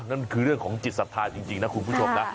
นั่นคือเรื่องของจิตศรัทธาจริงนะคุณผู้ชมนะ